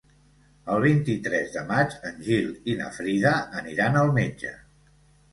El vint-i-tres de maig en Gil i na Frida aniran al metge.